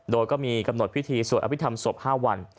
โดยก็มีกำหนดพิธีสวดอภิษฐรรมศพ๕วัน